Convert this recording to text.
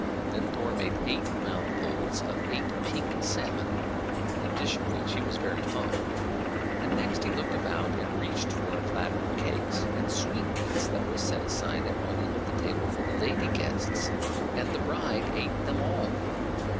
Then Thor made eight mouthfuls of eight pink salmon, a dish of which he was very fond. And next he looked about and reached for a platter of cakes and sweetmeats that was set aside at one end of the table for the lady guests, and the bride ate them all.